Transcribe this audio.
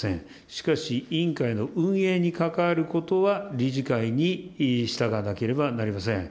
しかし、委員会の運営に関わることは理事会に従わなければなりません。